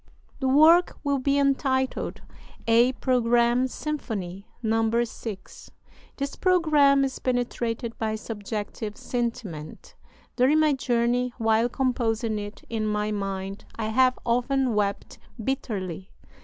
The work will be entitled 'A Programme Symphony' (No. 6). This programme is penetrated by subjective sentiment. During my journey, while composing it in my mind, I have often wept bitterly.